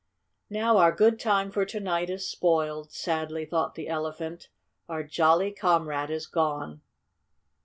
"Now our good time for to night is spoiled," sadly thought the Elephant. "Our jolly comrade is gone!"